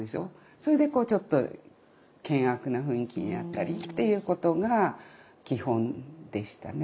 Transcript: それでこうちょっと険悪な雰囲気になったりっていうことが基本でしたね。